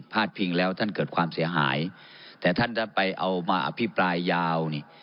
พิงแล้วท่านเกิดความเสียหายแต่ท่านได้ไปเอามาอภิปรายยาวนี่